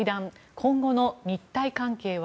今後の日台関係は。